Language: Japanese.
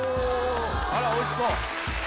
あらおいしそう！